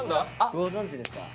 ご存じですか？